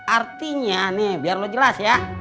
artinya nih biar lo jelas ya